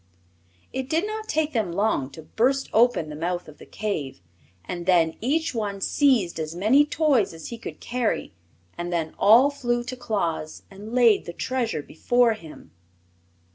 It did not take them long to burst open the mouth of the cave, and then each one seized as many toys as he could carry and they all flew to Claus and laid the treasure before him.